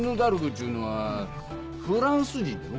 っちゅうのはフランス人での。